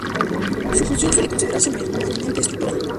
Su función suele considerarse meramente estructural.